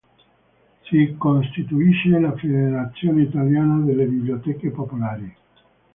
Si costituisce la Federazione italiana delle biblioteche popolari.